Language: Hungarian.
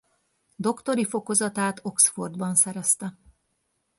Doktori fokozatát Oxfordban szerezte.